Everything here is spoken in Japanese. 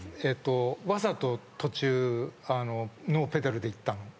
わざと途中ノーペダルでいったの？